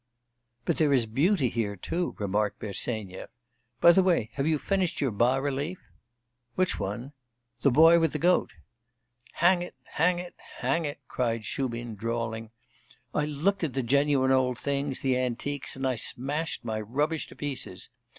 'But there is beauty here, too,' remarked Bersenyev. 'By the way, have you finished your bas relief?' 'Which one?' 'The boy with the goat.' 'Hang it! Hang it! Hang it!' cried Shubin, drawling 'I looked at the genuine old things, the antiques, and I smashed my rubbish to pieces.